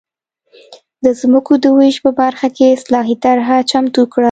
د ځمکو د وېش په برخه کې اصلاحي طرحه چمتو کړه.